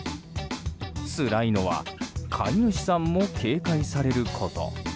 つらいのは飼い主さんも警戒されること。